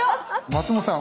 松本さん